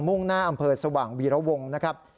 ่งหน้าอำเภอสว่างวีรวงนะครับ